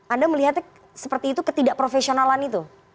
anda melihatnya seperti itu ketidakprofesionalan itu